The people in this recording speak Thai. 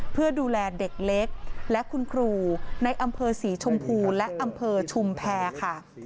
เพื่อดูแลเด็กเล็กและคุณครูในอำเภอศรีชมพูและอำเภอชุมแพรค่ะ